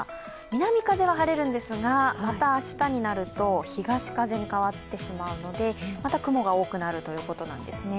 南風は晴れるんですが、明日になると東風に変わってしまうので、また雲が多くなるということなんです。